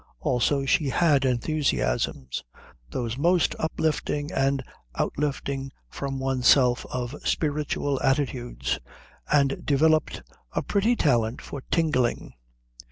Also she had enthusiasms, those most uplifting and outlifting from oneself of spiritual attitudes, and developed a pretty talent for tingling.